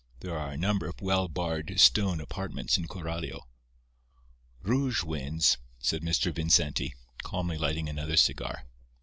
There are a number of well barred stone apartments in Coralio. "Rouge wins," said Mr. Vincenti, calmly lighting another cigar.